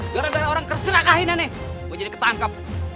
gara gara orang terserah kainan nih gue jadi ketangkep